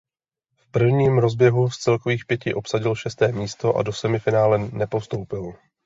V prvním rozběhu z celkových pěti obsadil šesté místo a do semifinále nepostoupil.